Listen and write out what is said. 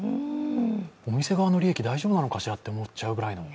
お店側の利益、大丈夫なのかしらと思っちゃうぐらいの。